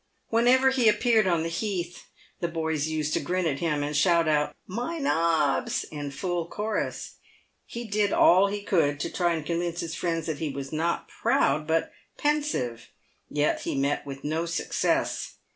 Whenever he appeared on the heath the boys used to grin at him, and shout out "my nobs," in full chorus. He did all he could to try and convince his friends that he was not proud, but pensive ; yet he met with no success.